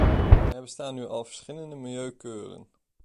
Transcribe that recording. Er bestaan nu al verschillende milieukeuren.